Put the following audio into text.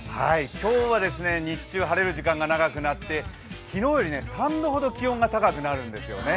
今日は日中晴れる時間が長くなって昨日より３度ほど気温が高くなるんですよね。